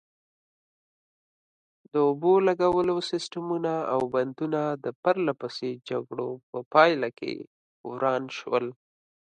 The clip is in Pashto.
د اوبو لګولو سیسټمونه او بندونه د پرلپسې جګړو په پایله کې وران شول.